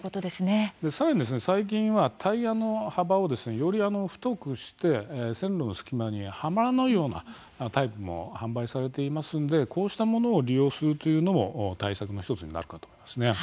さらに最近はタイヤの幅をより太くして線路の隙間にはまらないようなタイプも販売されていますのでこうしたものを利用するというのも対策の１つになると思います。